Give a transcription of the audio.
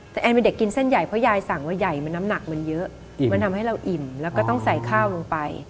แต่แอนเป็นเด็กกินเส้นใหญ่เพราะยายสั่งว่าใหญ่มันน้ำหนักมันเยอะมันทำให้เราอิ่มแล้วก็ต้องใส่ข้าวลงไป